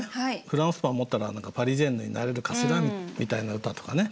フランスパン持ったら何かパリジェンヌになれるかしらみたいな歌とかね。